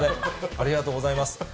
ありがとうございます。